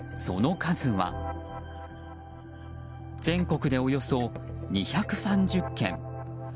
その数は、全国でおよそ２３０件。